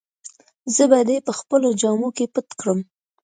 زه به دي په خپلو جامو کي پټ کړم.